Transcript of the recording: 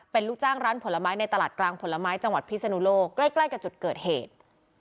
เป็นลูกจ้างร้านผลไม้ในตลาดกลางผลไม้จังหวัดพิศนุโลกใกล้กับจุดเกิดเหตุ